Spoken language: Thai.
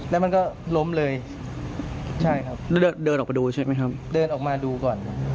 แล้วมันก็ล้มเลยใช่ครับเลือกเดินออกมาดูใช่ไหมครับเดินออกมาดูก่อน